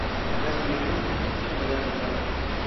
मैं पियानो बहुत अच्छा बजा लेता था।